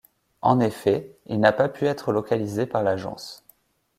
En effet, il n'a pas pu être localisé par l'agence.